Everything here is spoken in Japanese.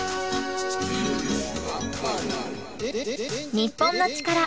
『日本のチカラ』